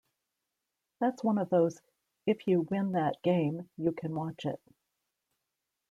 That's one of those if you win that game, you can watch it.